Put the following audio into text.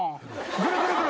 ぐるぐるぐる！